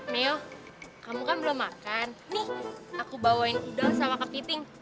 neo kamu kan belum makan nih aku bawain udang sama kepiting